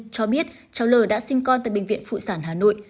cho biết cháu l đã sinh con tại bệnh viện phụ sản hà nội